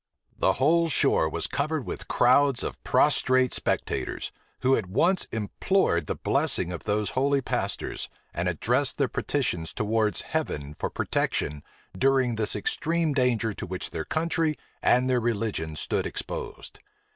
The whole shore was covered with crowds of prostrate spectators, who at once implored the blessing of those holy pastors, and addressed their petitions towards heaven for protection during this extreme danger to which their country and their religion stood exposed.